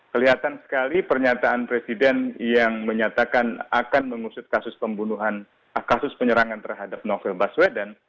kelihatan sekali pernyataan presiden yang menyatakan akan mengusut kasus penyerangan terhadap novel baswedan